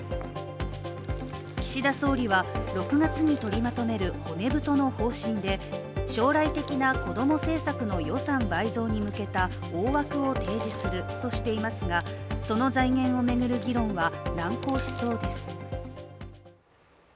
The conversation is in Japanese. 岸田総理は６月に取りまとめる骨太の方針で将来的な子供政策の予算倍増に向けた大枠を提示するとしていますがその財源を巡る議論は難航しそうです。